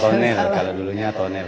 tonel kalau dulunya tonel